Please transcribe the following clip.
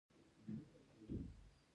نو ګودر وچ پروت وو ـ